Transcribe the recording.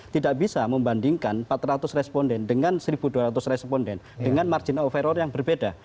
tidak bisa membandingkan empat ratus responden dengan satu dua ratus responden dengan margin of error yang berbeda